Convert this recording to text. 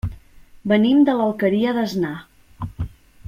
Venim de l'Alqueria d'Asnar.